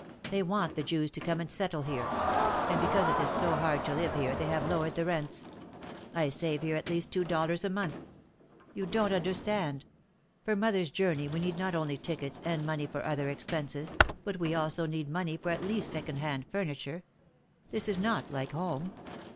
"They want the Jews to come and settle here. And because it is so hard to live here they have lowered the rents. I save here at least two dollars a month. You don't understand. For mother's journey we need not only tickets and money for other expenses, but we also need money for at least second hand furniture. This is not like home.